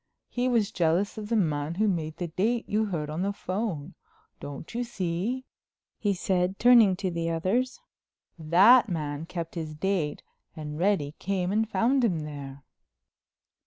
He was jealous of the man who made the date you heard on the phone. Don't you see," he said, turning to the others, "that man kept his date and Reddy came and found him there."